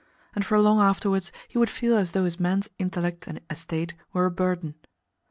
And for long afterwards he would feel as though his man's intellect and estate were a burden.